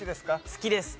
好きです。